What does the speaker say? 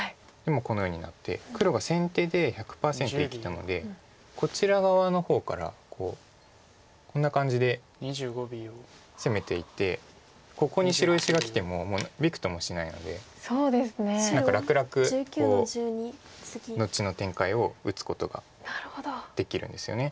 このようになって黒が先手で１００％生きたのでこちら側の方からこんな感じで攻めていてここに白石がきてももうびくともしないので何か楽々こう後の展開を打つことができるんですよね。